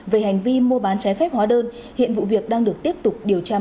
về hành vi mua bán trái phép hóa đơn hiện vụ việc đang được tiếp tục điều tra mở